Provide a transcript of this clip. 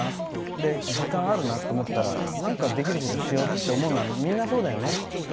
で、時間あるなと思ったらなんかできることしようって思うのはみんなそうだよね。